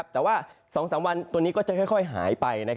แต่ว่า๒๓วันตัวนี้ก็จะค่อยหายไป